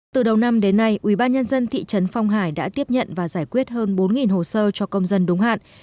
từ đầu năm đến nay ubnd thị trấn phong hải đã tiếp nhận và giải quyết hơn bốn hồ sơ cho công dân đúng hạn